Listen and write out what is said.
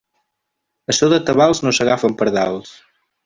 A so de tabals no s'agafen pardals.